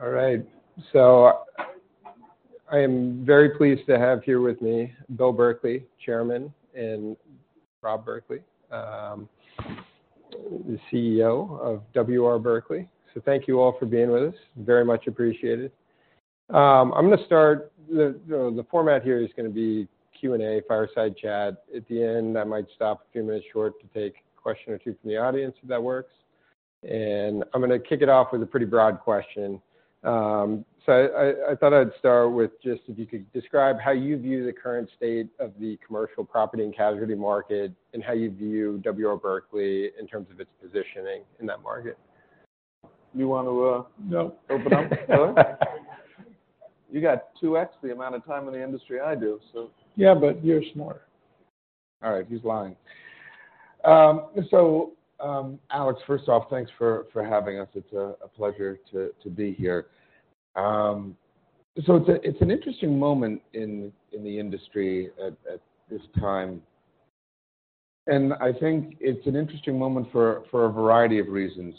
I am very pleased to have here with me Bill Berkley, Chairman, and Rob Berkley, the CEO of W. R. Berkley. Thank you all for being with us. Very much appreciated. I'm going to start. The format here is going to be Q&A, fireside chat. At the end, I might stop a few minutes short to take a question or two from the audience, if that works. I'm going to kick it off with a pretty broad question. I thought I'd start with just if you could describe how you view the current state of the commercial property and casualty market, and how you view W. R. Berkley in terms of its positioning in that market. You want to- No open up? You got 2x the amount of time in the industry I do. Yeah, but you're smarter. All right. He's lying. AI, first off, thanks for having us. It's a pleasure to be here. It's an interesting moment in the industry at this time, and I think it's an interesting moment for a variety of reasons.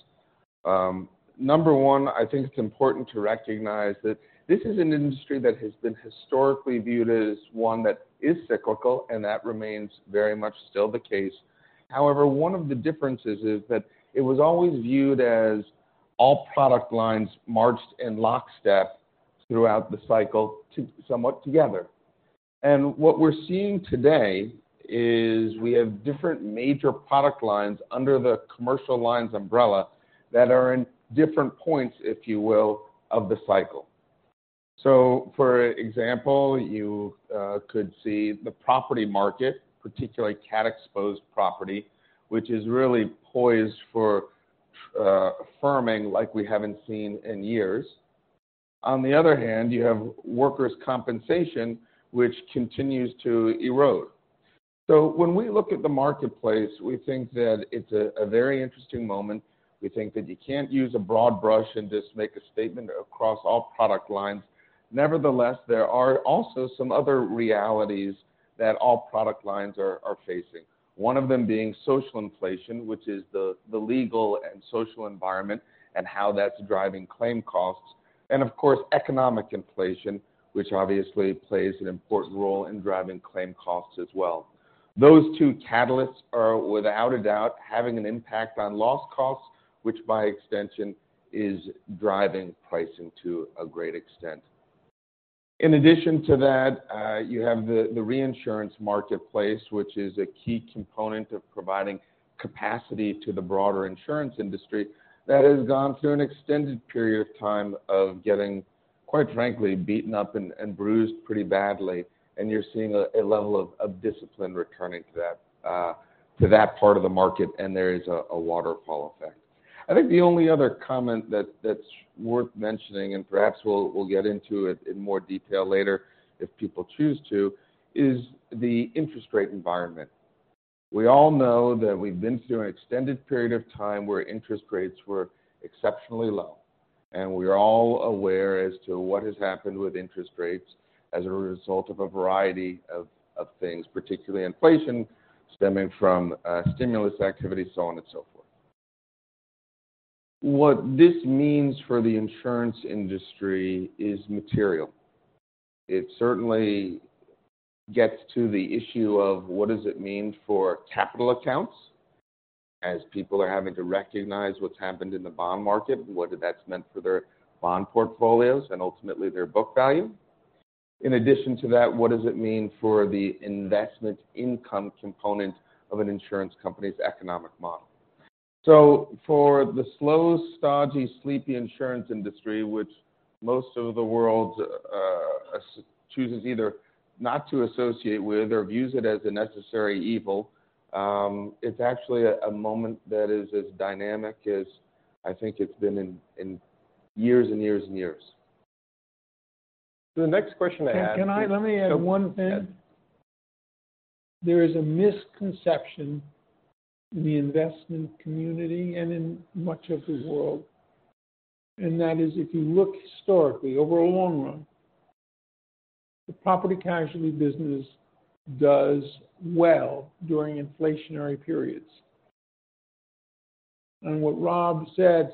Number one, I think it's important to recognize that this is an industry that has been historically viewed as one that is cyclical, and that remains very much still the case. However, one of the differences is that it was always viewed as all product lines marched in lockstep throughout the cycle somewhat together. What we're seeing today is we have different major product lines under the commercial lines umbrella that are in different points, if you will, of the cycle. For example, you could see the property market, particularly cat-exposed property, which is really poised for firming like we haven't seen in years. On the other hand, you have workers' compensation, which continues to erode. When we look at the marketplace, we think that it's a very interesting moment. We think that you can't use a broad brush and just make a statement across all product lines. Nevertheless, there are also some other realities that all product lines are facing. One of them being social inflation, which is the legal and social environment and how that's driving claim costs. Of course, economic inflation, which obviously plays an important role in driving claim costs as well. Those two catalysts are, without a doubt, having an impact on loss costs, which by extension, is driving pricing to a great extent. In addition to that, you have the reinsurance marketplace, which is a key component of providing capacity to the broader insurance industry that has gone through an extended period of time of getting, quite frankly, beaten up and bruised pretty badly. You're seeing a level of discipline returning to that part of the market, and there is a waterfall effect. I think the only other comment that's worth mentioning, and perhaps we'll get into it in more detail later if people choose to, is the interest rate environment. We all know that we've been through an extended period of time where interest rates were exceptionally low. We are all aware as to what has happened with interest rates as a result of a variety of things, particularly inflation stemming from stimulus activity, so on and so forth. What this means for the insurance industry is material. It certainly gets to the issue of what does it mean for capital accounts as people are having to recognize what's happened in the bond market, what that's meant for their bond portfolios and ultimately their book value. In addition to that, what does it mean for the investment income component of an insurance company's economic model? For the slow, stodgy, sleepy insurance industry, which most of the world chooses either not to associate with or views it as a necessary evil, it's actually a moment that is as dynamic as I think it's been in years and years and years. The next question I have is- Let me add one thing. Yes. There is a misconception in the investment community and in much of the world, that is, if you look historically over a long run, the property casualty business does well during inflationary periods. What Rob said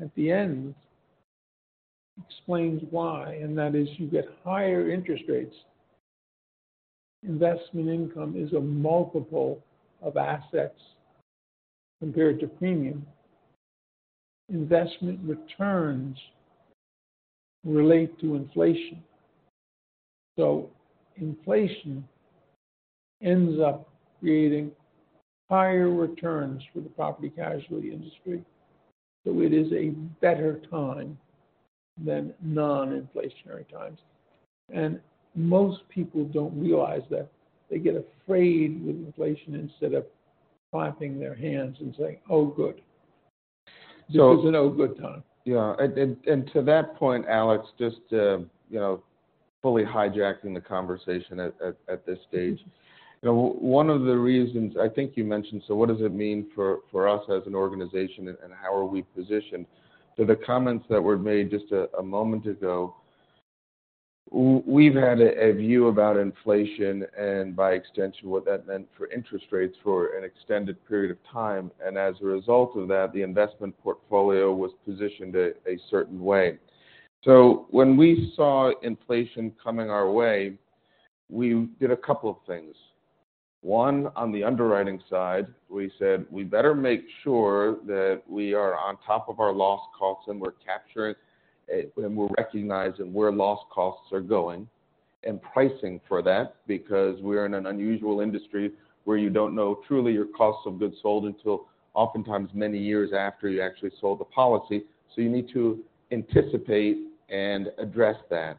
at the end explains why, that is you get higher interest rates. Investment income is a multiple of assets compared to premium. Investment returns relate to inflation. Inflation ends up creating higher returns for the property casualty industry. It is a better time than non-inflationary times. Most people don't realize that. They get afraid with inflation instead of clapping their hands and saying, "Oh, good. So- This is an oh good time. Yeah. To that point, Al, just fully hijacking the conversation at this stage. One of the reasons, I think you mentioned, what does it mean for us as an organization, and how are we positioned? To the comments that were made just a moment ago We've had a view about inflation and by extension what that meant for interest rates for an extended period of time. As a result of that, the investment portfolio was positioned a certain way. When we saw inflation coming our way, we did a couple of things. One, on the underwriting side, we said we better make sure that we are on top of our loss costs, and we're capturing and we're recognizing where loss costs are going and pricing for that because we are in an unusual industry where you don't know truly your cost of goods sold until oftentimes many years after you actually sold the policy. You need to anticipate and address that,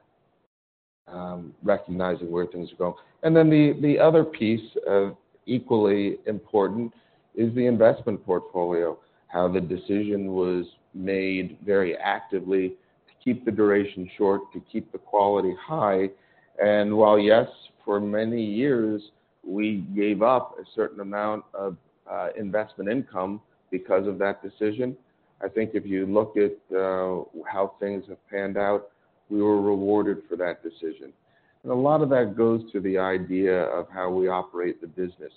recognizing where things are going. Then the other piece of equally important is the investment portfolio, how the decision was made very actively to keep the duration short, to keep the quality high. While, yes, for many years we gave up a certain amount of investment income because of that decision, I think if you look at how things have panned out, we were rewarded for that decision. A lot of that goes to the idea of how we operate the business,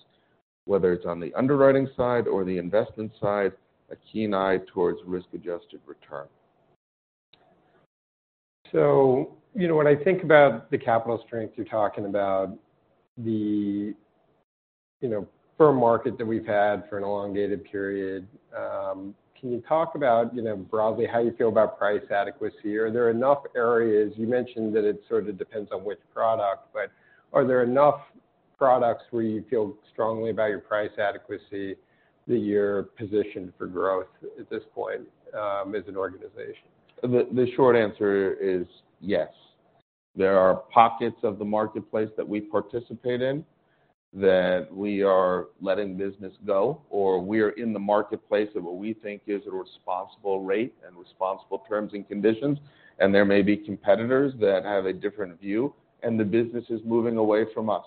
whether it's on the underwriting side or the investment side, a keen eye towards risk-adjusted return. When I think about the capital strength you're talking about the firm market that we've had for an elongated period. Can you talk about broadly how you feel about price adequacy? Are there enough areas, you mentioned that it sort of depends on which product, but are there enough products where you feel strongly about your price adequacy that you're positioned for growth at this point as an organization? The short answer is yes. There are pockets of the marketplace that we participate in that we are letting business go, or we are in the marketplace at what we think is a responsible rate and responsible terms and conditions, and there may be competitors that have a different view, and the business is moving away from us.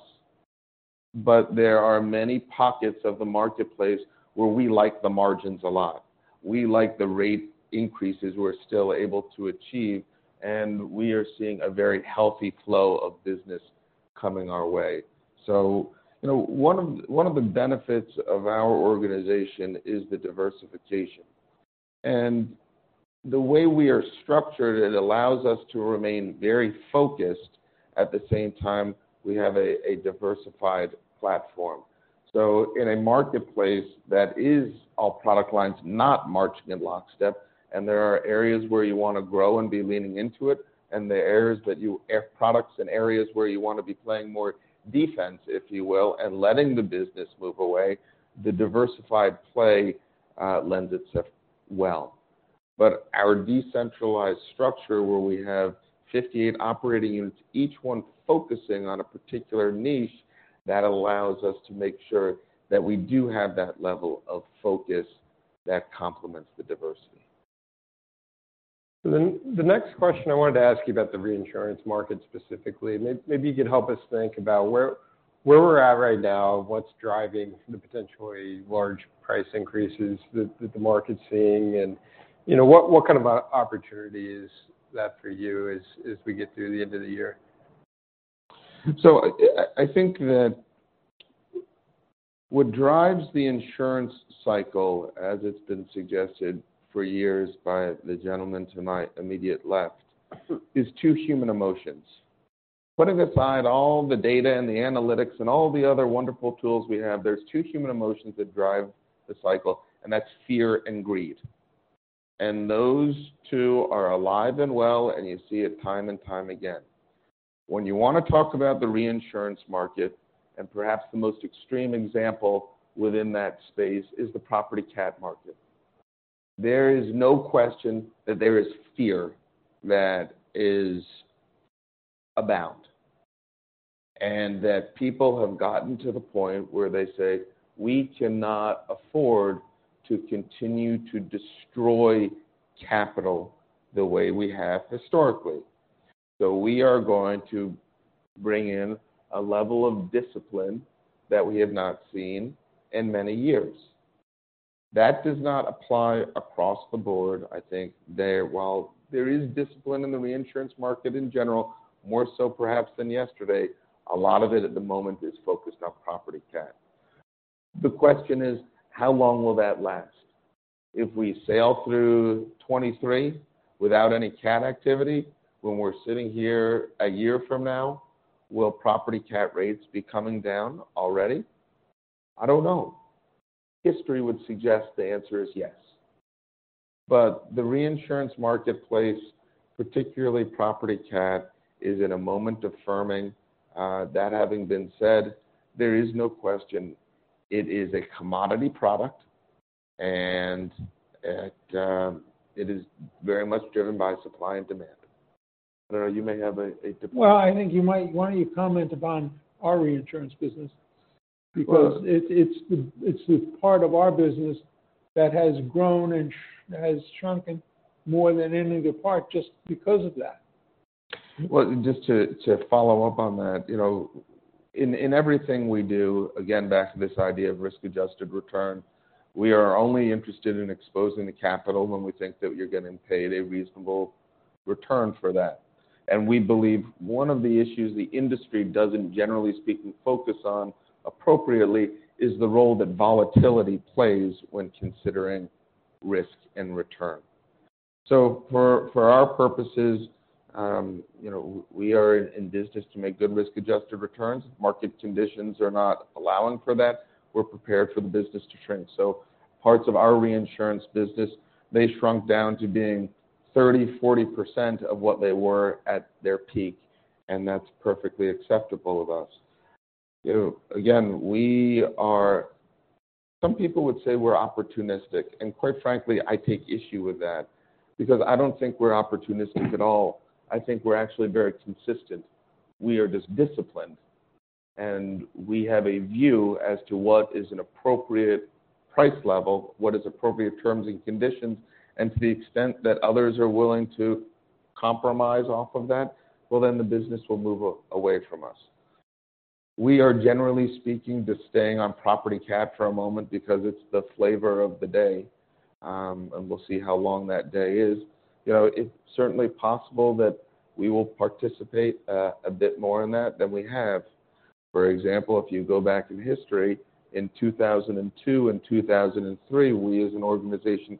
There are many pockets of the marketplace where we like the margins a lot. We like the rate increases we're still able to achieve, and we are seeing a very healthy flow of business coming our way. One of the benefits of our organization is the diversification. The way we are structured, it allows us to remain very focused. At the same time, we have a diversified platform. In a marketplace that is all product lines not marching in lockstep, and there are areas where you want to grow and be leaning into it, and products and areas where you want to be playing more defense, if you will, and letting the business move away, the diversified play lends itself well. Our decentralized structure, where we have 58 operating units, each one focusing on a particular niche, that allows us to make sure that we do have that level of focus that complements the diversity. The next question I wanted to ask you about the reinsurance market specifically, maybe you could help us think about where we're at right now, what's driving the potentially large price increases that the market's seeing, and what kind of opportunity is that for you as we get through the end of the year? I think that what drives the insurance cycle, as it's been suggested for years by the gentleman to my immediate left, is two human emotions. Putting aside all the data and the analytics and all the other wonderful tools we have, there's two human emotions that drive the cycle, and that's fear and greed. Those two are alive and well, and you see it time and time again. When you want to talk about the reinsurance market, and perhaps the most extreme example within that space is the property cat market. There is no question that there is fear that is abound, and that people have gotten to the point where they say, "We cannot afford to continue to destroy capital the way we have historically. We are going to bring in a level of discipline that we have not seen in many years." That does not apply across the board. I think while there is discipline in the reinsurance market in general, more so perhaps than yesterday, a lot of it at the moment is focused on property cat. The question is, how long will that last? If we sail through 2023 without any cat activity, when we're sitting here a year from now, will property cat rates be coming down already? I don't know. History would suggest the answer is yes. The reinsurance marketplace, particularly property cat, is in a moment of firming. That having been said, there is no question it is a commodity product, and it is very much driven by supply and demand. Will, you may have a different- Well, I think why don't you comment upon our reinsurance business? Sure. Because it's the part of our business that has grown and has shrunken more than any other part just because of that. Well, just to follow up on that- In everything we do, again, back to this idea of risk-adjusted return, we are only interested in exposing the capital when we think that you're getting paid a reasonable return for that. We believe one of the issues the industry doesn't, generally speaking, focus on appropriately is the role that volatility plays when considering risk and return. For our purposes, we are in business to make good risk-adjusted returns. If market conditions are not allowing for that, we're prepared for the business to shrink. Parts of our reinsurance business, they shrunk down to being 30, 40% of what they were at their peak, and that's perfectly acceptable of us. Again, some people would say we're opportunistic, and quite frankly, I take issue with that because I don't think we're opportunistic at all. I think we're actually very consistent. We are just disciplined. We have a view as to what is an appropriate price level, what is appropriate terms and conditions, and to the extent that others are willing to compromise off of that, well, the business will move away from us. We are, generally speaking, just staying on property cat for a moment because it's the flavor of the day, and we'll see how long that day is. It's certainly possible that we will participate a bit more in that than we have. For example, if you go back in history, in 2002 and 2003, we as an organization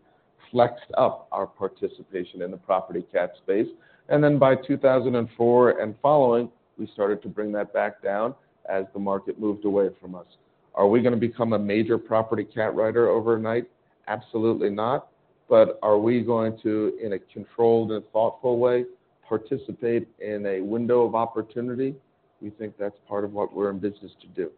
flexed up our participation in the property cat space. By 2004 and following, we started to bring that back down as the market moved away from us. Are we going to become a major property cat writer overnight? Absolutely not. Are we going to, in a controlled and thoughtful way, participate in a window of opportunity? We think that's part of what we're in business to do.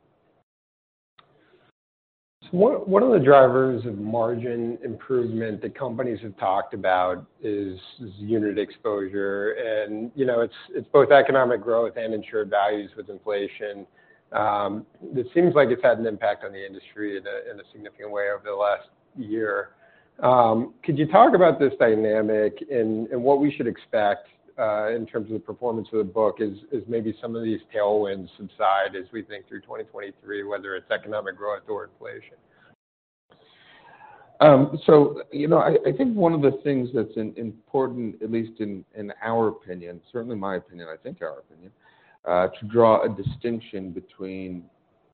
One of the drivers of margin improvement that companies have talked about is unit exposure, and it's both economic growth and insured values with inflation. It seems like it's had an impact on the industry in a significant way over the last year. Could you talk about this dynamic and what we should expect in terms of the performance of the book as maybe some of these tailwinds subside as we think through 2023, whether it's economic growth or inflation? I think one of the things that's important, at least in our opinion, certainly my opinion, I think our opinion, to draw a distinction between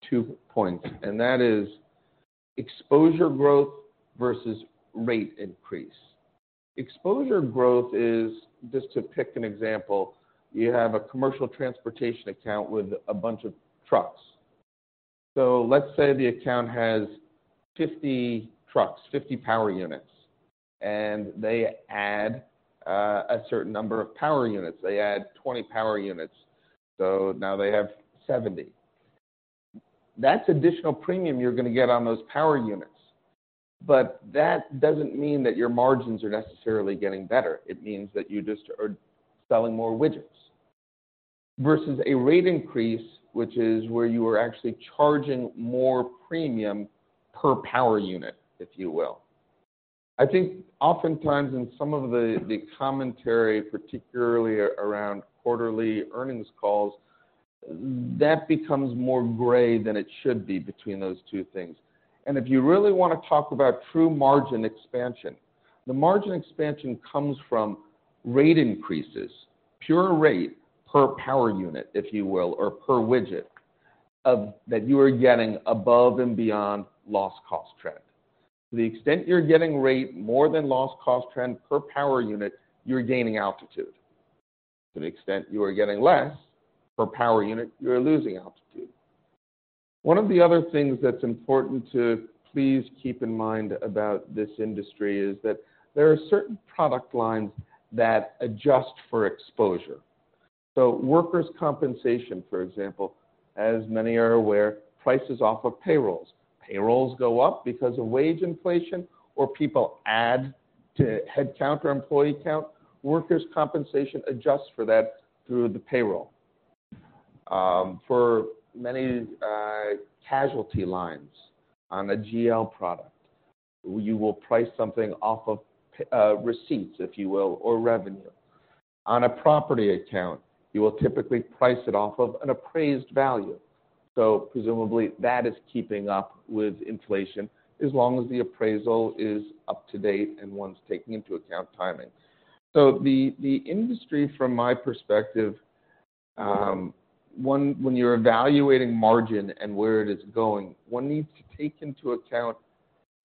two points, and that is exposure growth versus rate increase. Exposure growth is, just to pick an example, you have a commercial transportation account with a bunch of trucks. Let's say the account has 50 trucks, 50 power units, and they add a certain number of power units. They add 20 power units, so now they have 70. That's additional premium you're going to get on those power units, but that doesn't mean that your margins are necessarily getting better. It means that you just are selling more widgets. Versus a rate increase, which is where you are actually charging more premium per power unit, if you will. I think oftentimes in some of the commentary, particularly around quarterly earnings calls, that becomes more gray than it should be between those two things. If you really want to talk about true margin expansion, the margin expansion comes from rate increases, pure rate per power unit, if you will, or per widget, that you are getting above and beyond loss cost trend. To the extent you're getting rate more than loss cost trend per power unit, you're gaining altitude. To the extent you are getting less per power unit, you're losing altitude. One of the other things that's important to please keep in mind about this industry is that there are certain product lines that adjust for exposure. Workers' compensation, for example, as many are aware, prices off of payrolls. Payrolls go up because of wage inflation or people add to headcount or employee count. Workers' compensation adjusts for that through the payroll. For many casualty lines on a GL product, you will price something off of receipts, if you will, or revenue. On a property account, you will typically price it off of an appraised value. Presumably, that is keeping up with inflation as long as the appraisal is up to date and one's taking into account timing. The industry, from my perspective, when you're evaluating margin and where it is going, one needs to take into account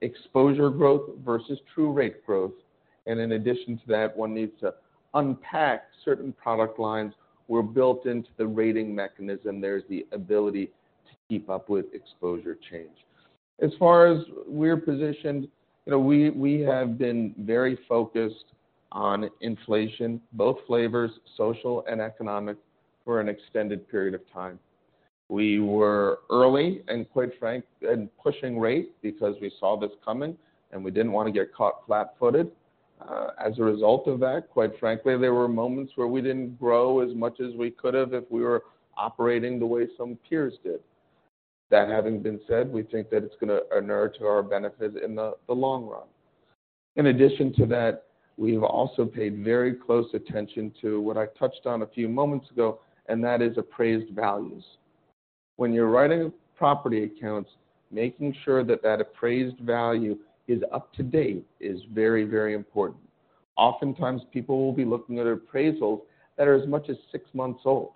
exposure growth versus true rate growth. In addition to that, one needs to unpack certain product lines were built into the rating mechanism. There's the ability to keep up with exposure change. As far as we're positioned, we have been very focused on inflation, both flavors, social and economic, for an extended period of time. We were early, and quite frank, and pushing rate because we saw this coming and we didn't want to get caught flat-footed. As a result of that, quite frankly, there were moments where we didn't grow as much as we could have if we were operating the way some peers did. That having been said, we think that it's going to inure to our benefit in the long run. In addition to that, we've also paid very close attention to what I touched on a few moments ago, and that is appraised values. When you're writing property accounts, making sure that that appraised value is up to date is very important. Oftentimes, people will be looking at appraisals that are as much as six months old.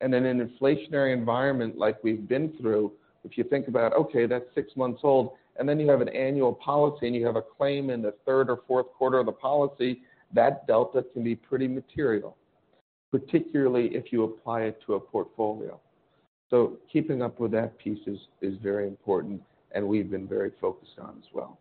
In an inflationary environment like we've been through, if you think about, okay, that's six months old, then you have an annual policy and you have a claim in the third or fourth quarter of the policy, that delta can be pretty material, particularly if you apply it to a portfolio. Keeping up with that piece is very important and we've been very focused on as well.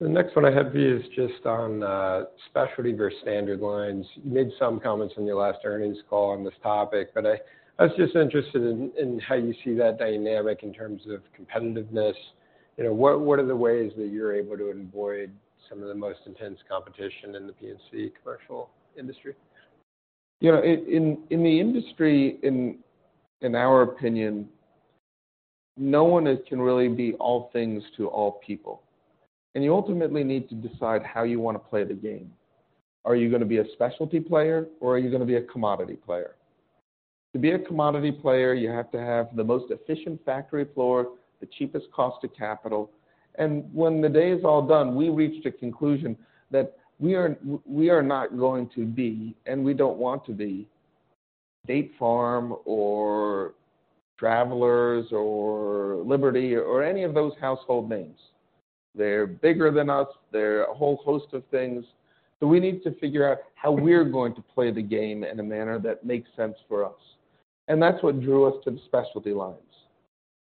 The next one I have, V, is just on specialty versus standard lines. You made some comments on your last earnings call on this topic, but I was just interested in how you see that dynamic in terms of competitiveness. What are the ways that you're able to avoid some of the most intense competition in the P&C commercial industry? In the industry, in our opinion, no one can really be all things to all people, you ultimately need to decide how you want to play the game. Are you going to be a specialty player or are you going to be a commodity player? To be a commodity player, you have to have the most efficient factory floor, the cheapest cost of capital. When the day is all done, we reached a conclusion that we are not going to be, and we don't want to be State Farm or Travelers or Liberty or any of those household names. They're bigger than us. They're a whole host of things. We need to figure out how we're going to play the game in a manner that makes sense for us. That's what drew us to the specialty lines.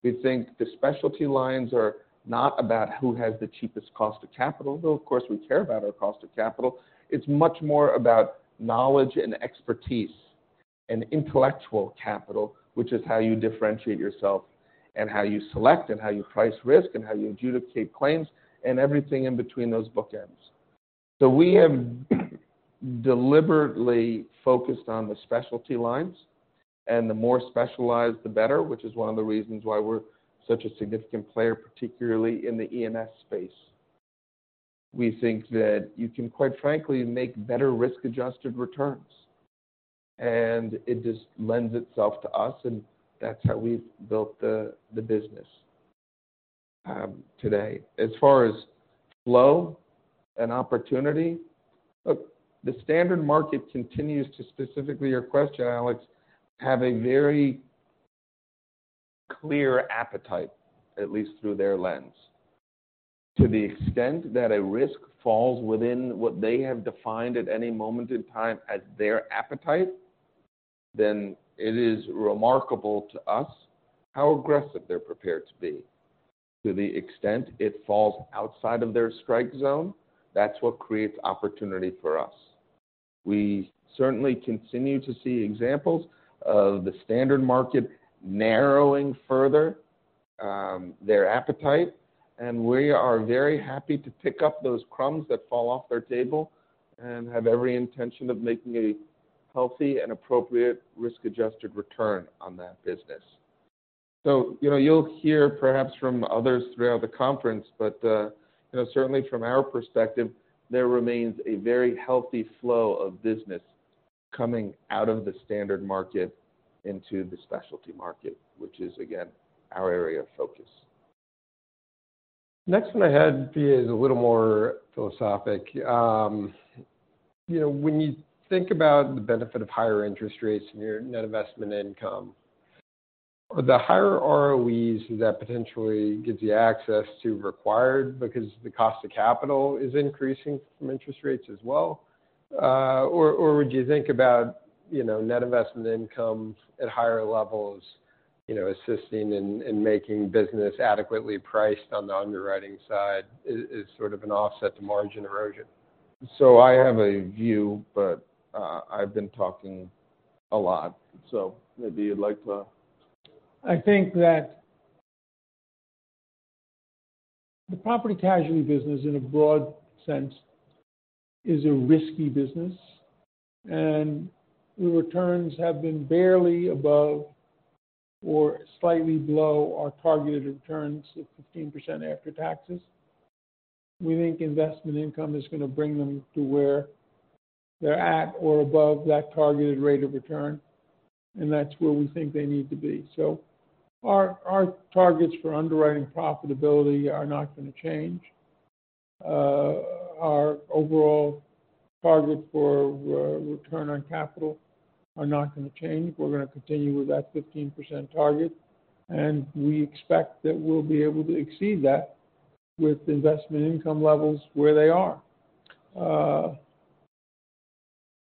We think the specialty lines are not about who has the cheapest cost of capital, though, of course, we care about our cost of capital. It's much more about knowledge and expertise and intellectual capital, which is how you differentiate yourself and how you select and how you price risk, and how you adjudicate claims and everything in between those bookends. We have deliberately focused on the specialty lines, and the more specialized, the better, which is one of the reasons why we're such a significant player, particularly in the E&S space. We think that you can, quite frankly, make better risk-adjusted returns, and it just lends itself to us, and that's how we've built the business today. As far as flow and opportunity, look, the standard market continues to, specifically your question, Alex, have a very clear appetite, at least through their lens. To the extent that a risk falls within what they have defined at any moment in time as their appetite, then it is remarkable to us how aggressive they're prepared to be. To the extent it falls outside of their strike zone, that's what creates opportunity for us. We certainly continue to see examples of the standard market narrowing further their appetite, and we are very happy to pick up those crumbs that fall off their table and have every intention of making a healthy and appropriate risk-adjusted return on that business. You'll hear perhaps from others throughout the conference, but certainly from our perspective, there remains a very healthy flow of business coming out of the standard market into the specialty market, which is, again, our area of focus. Next one I had, is a little more philosophic. When you think about the benefit of higher interest rates and your net investment income, the higher ROEs that potentially gives you access to required because the cost of capital is increasing from interest rates as well, or would you think about net investment income at higher levels assisting in making business adequately priced on the underwriting side is sort of an offset to margin erosion? I have a view, but I've been talking a lot, so maybe you'd like to I think that the property casualty business in a broad sense is a risky business, and the returns have been barely above or slightly below our targeted returns of 15% after taxes. We think investment income is going to bring them to where they're at or above that targeted rate of return, and that's where we think they need to be. Our targets for underwriting profitability are not going to change. Our overall targets for return on capital are not going to change. We're going to continue with that 15% target, and we expect that we'll be able to exceed that with investment income levels where they are.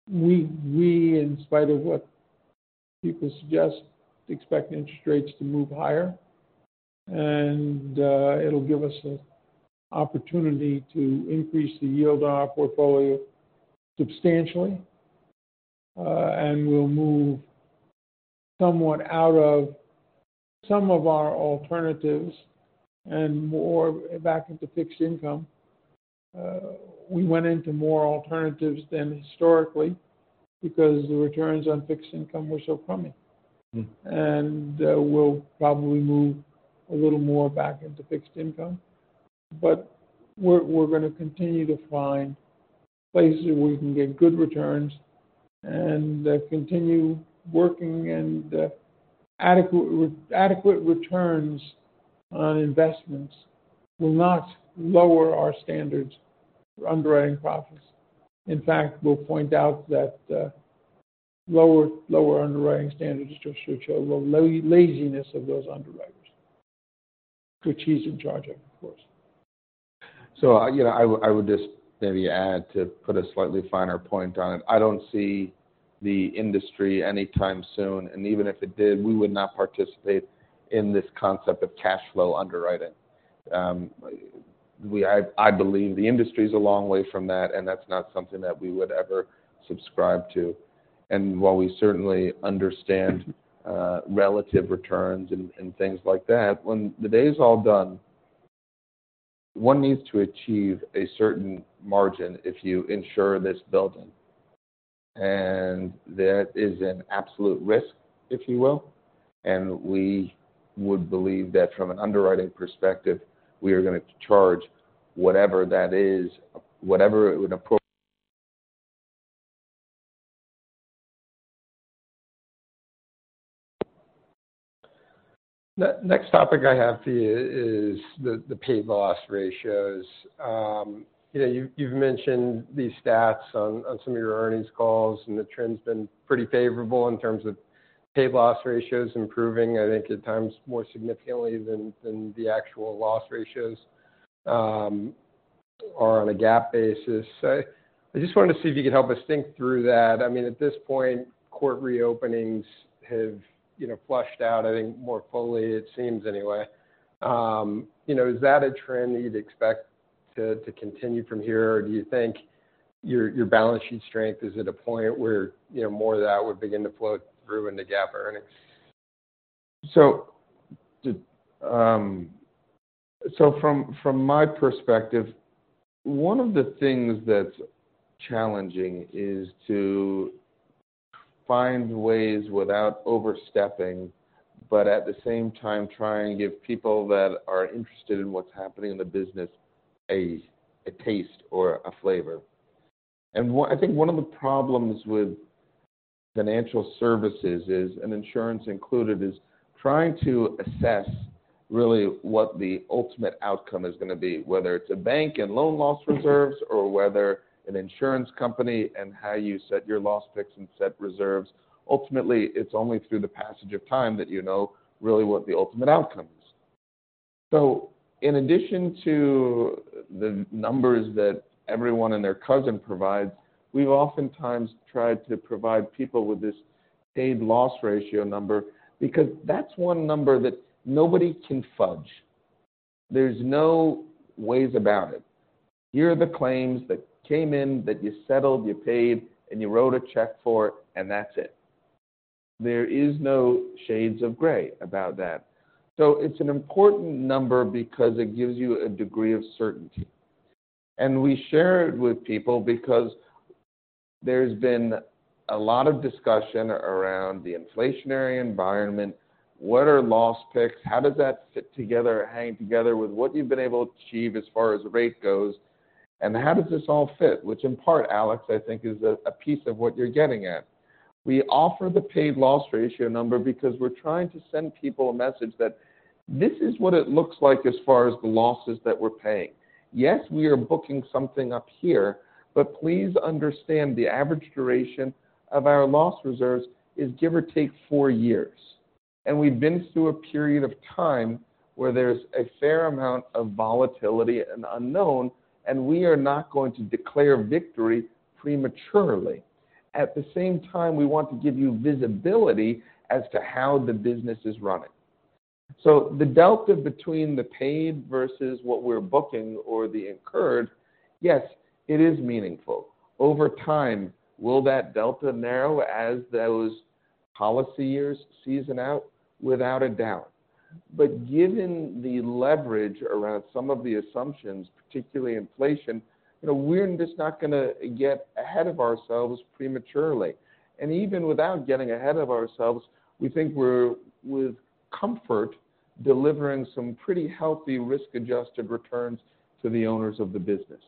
We, in spite of what people suggest, expect interest rates to move higher, and it'll give us an opportunity to increase the yield on our portfolio substantially. We'll move somewhat out of some of our alternatives and more back into fixed income. We went into more alternatives than historically because the returns on fixed income were so crummy. We'll probably move a little more back into fixed income, but we're going to continue to find places where we can get good returns and continue working and adequate returns on investments will not lower our standards for underwriting profits. In fact, we'll point out that lower underwriting standards just should show the laziness of those underwriters, which he's in charge of course. I would just maybe add to put a slightly finer point on it. I don't see the industry anytime soon, and even if it did, we would not participate in this concept of cash flow underwriting. I believe the industry's a long way from that, and that's not something that we would ever subscribe to. While we certainly understand relative returns and things like that, when the day's all done, one needs to achieve a certain margin if you insure this building. That is an absolute risk, if you will. We would believe that from an underwriting perspective, we are going to charge whatever that is, whatever it would approach The next topic I have for you is the paid loss ratios. You've mentioned these stats on some of your earnings calls, and the trend's been pretty favorable in terms of paid loss ratios improving, I think at times more significantly than the actual loss ratios or on a GAAP basis. I just wanted to see if you could help us think through that. At this point, court reopenings have flushed out, I think more fully it seems anyway. Is that a trend that you'd expect to continue from here? Or do you think your balance sheet strength is at a point where more of that would begin to flow through into GAAP earnings? From my perspective, one of the things that's challenging is to find ways without overstepping, but at the same time, try and give people that are interested in what's happening in the business a taste or a flavor. I think one of the problems with financial services is, and insurance included, is trying to assess really what the ultimate outcome is going to be, whether it's a bank and loan loss reserves, or whether an insurance company and how you set your loss picks and set reserves. Ultimately, it's only through the passage of time that you know really what the ultimate outcome is. In addition to the numbers that everyone and their cousin provides, we've oftentimes tried to provide people with this paid loss ratio number because that's one number that nobody can fudge. There's no ways about it. Here are the claims that came in that you settled, you paid, and you wrote a check for, and that's it. There is no shades of gray about that. It's an important number because it gives you a degree of certainty. We share it with people because there's been a lot of discussion around the inflationary environment. What are loss picks? How does that fit together or hang together with what you've been able to achieve as far as rate goes, how does this all fit? Which in part, Alex, I think is a piece of what you're getting at. We offer the paid loss ratio number because we're trying to send people a message that this is what it looks like as far as the losses that we're paying. Please understand the average duration of our loss reserves is give or take four years. We've been through a period of time where there's a fair amount of volatility and unknown, and we are not going to declare victory prematurely. At the same time, we want to give you visibility as to how the business is running. The delta between the paid versus what we're booking or the incurred, yes, it is meaningful. Over time, will that delta narrow as those policy years season out? Without a doubt. Given the leverage around some of the assumptions, particularly inflation, we're just not going to get ahead of ourselves prematurely. Even without getting ahead of ourselves, we think we're with comfort delivering some pretty healthy risk-adjusted returns to the owners of the business.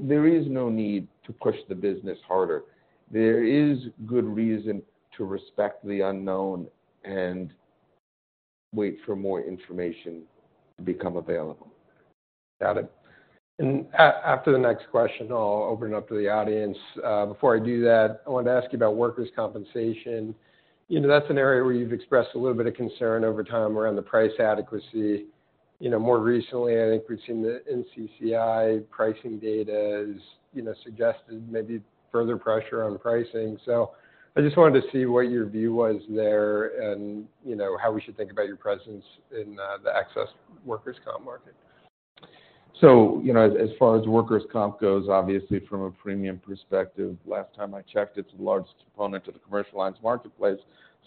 There is no need to push the business harder. There is good reason to respect the unknown and wait for more information to become available. Got it. After the next question, I'll open it up to the audience. Before I do that, I wanted to ask you about workers' compensation. That's an area where you've expressed a little bit of concern over time around the price adequacy. More recently, I think we've seen the NCCI pricing data has suggested maybe further pressure on pricing. I just wanted to see what your view was there and how we should think about your presence in the excess workers' comp market. As far as workers' comp goes, obviously from a premium perspective, last time I checked, it's the largest component of the commercial lines marketplace.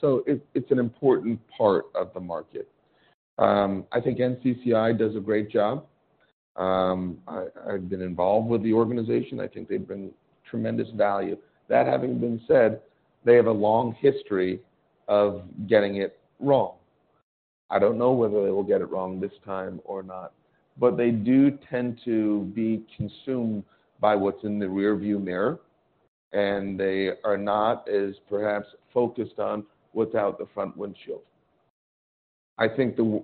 It's an important part of the market. I think NCCI does a great job. I've been involved with the organization. I think they bring tremendous value. That having been said, they have a long history of getting it wrong. I don't know whether they will get it wrong this time or not, but they do tend to be consumed by what's in the rear view mirror, and they are not as perhaps focused on what's out the front windshield. I think the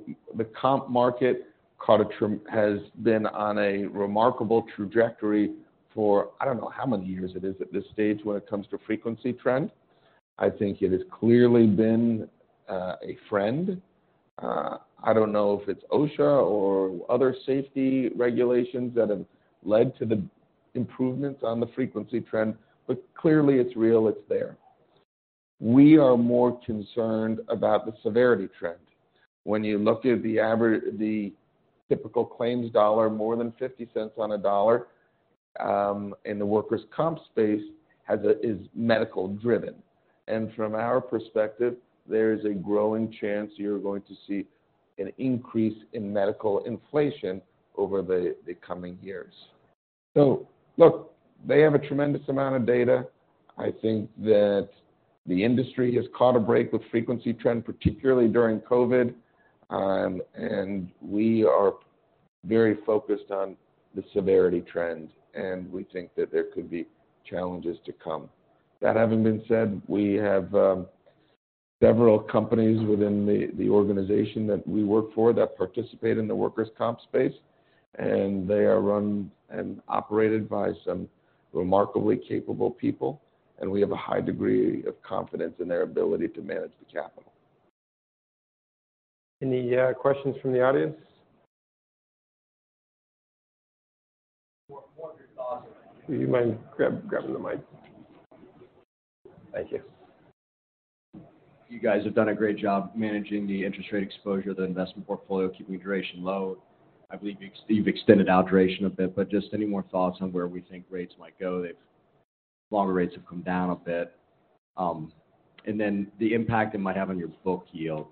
comp market has been on a remarkable trajectory for, I don't know how many years it is at this stage when it comes to frequency trend. I think it has clearly been a friend. I do not know if it is OSHA or other safety regulations that have led to the improvements on the frequency trend, but clearly it is real, it is there. We are more concerned about the severity trend. When you look at the typical claims dollar, more than $0.50 on a dollar in the workers' comp space is medical driven. From our perspective, there is a growing chance you are going to see an increase in medical inflation over the coming years. Look, they have a tremendous amount of data. I think that the industry has caught a break with frequency trend, particularly during COVID, and we are very focused on the severity trend, and we think that there could be challenges to come. That having been said, we have several companies within the organization that we work for that participate in the workers' comp space, and they are run and operated by some remarkably capable people, and we have a high degree of confidence in their ability to manage the capital. Any questions from the audience? Do you mind grabbing the mic? Thank you. You guys have done a great job managing the interest rate exposure of the investment portfolio, keeping duration low. I believe you have extended out duration a bit, but just any more thoughts on where we think rates might go? Longer rates have come down a bit. Then the impact it might have on your book yield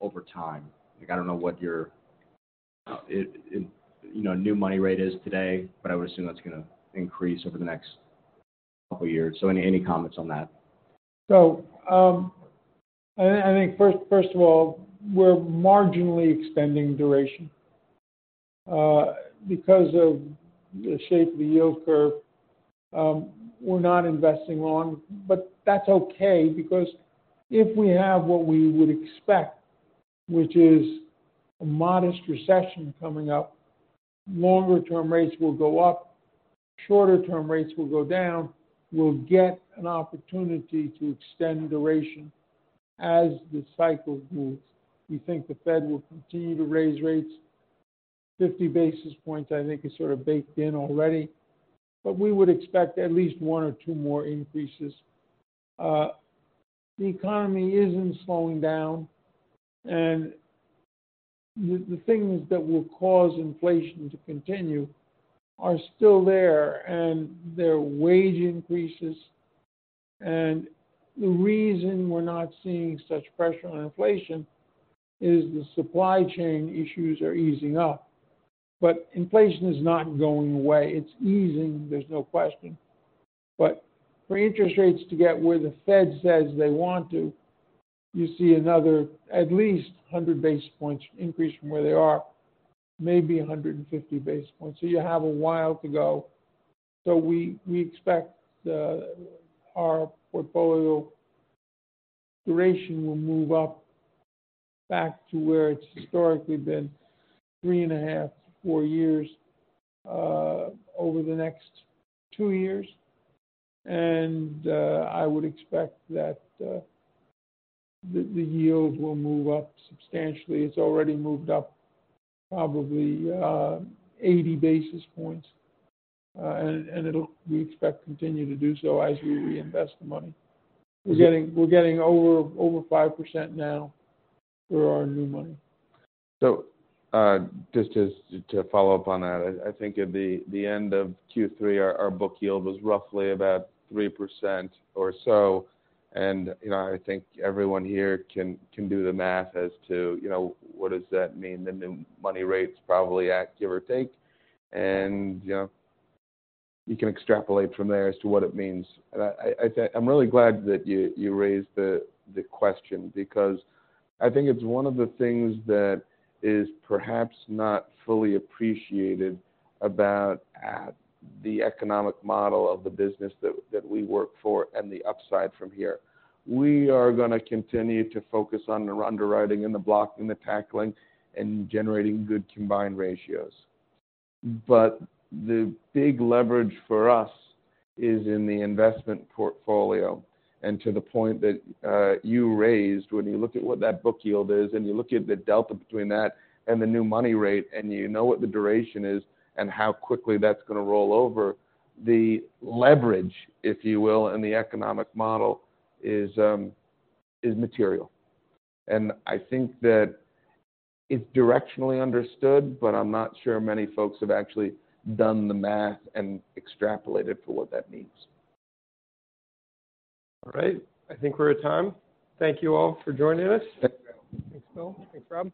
over time. I don't know what your new money rate is today, but I would assume that's going to increase over the next couple years. Any comments on that? I think first of all, we're marginally extending duration. Because of the shape of the yield curve, we're not investing long. That's okay because if we have what we would expect, which is a modest recession coming up, longer term rates will go up, shorter term rates will go down. We'll get an opportunity to extend duration as the cycle moves. We think the Fed will continue to raise rates. 50 basis points, I think, is sort of baked in already. We would expect at least one or two more increases. The economy isn't slowing down, the things that will cause inflation to continue are still there, and they're wage increases. The reason we're not seeing such pressure on inflation is the supply chain issues are easing up. Inflation is not going away. It's easing, there's no question. For interest rates to get where the Fed says they want to, you see another at least 100 basis points increase from where they are, maybe 150 basis points. You have a while to go. We expect our portfolio duration will move up back to where it's historically been, 3.5 to 4 years, over the next two years. I would expect that the yield will move up substantially. It's already moved up probably 80 basis points. We expect to continue to do so as we reinvest the money. We're getting over 5% now for our new money. Just to follow up on that. I think at the end of Q3, our book yield was roughly about 3% or so, I think everyone here can do the math as to what does that mean. The new money rate's probably at, give or take. You can extrapolate from there as to what it means. I'm really glad that you raised the question because I think it's one of the things that is perhaps not fully appreciated about the economic model of the business that we work for and the upside from here. We are going to continue to focus on the underwriting and the blocking and the tackling and generating good combined ratio. The big leverage for us is in the investment portfolio. To the point that you raised, when you look at what that book yield is and you look at the delta between that and the new money rate and you know what the duration is and how quickly that's going to roll over, the leverage, if you will, in the economic model is material. I think that it's directionally understood, I'm not sure many folks have actually done the math and extrapolated for what that means. All right. I think we're at time. Thank you all for joining us. Thanks, Bill. Thanks, Bill. Thanks, Rob.